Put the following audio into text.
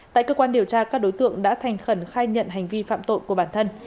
tại cơ quan điều tra các đối tượng đã thành khẩn khai nhận hành vi phạm tội của bản thân